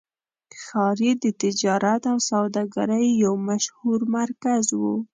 ښار یې د تجارت او سوداګرۍ یو مشهور مرکز و.